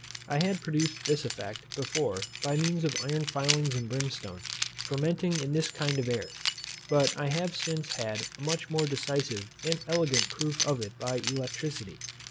I had produced this effect before by means of iron filings and brimstone, fermenting in this kind of air; but I have since had a much more decisive and elegant proof of it by electricity.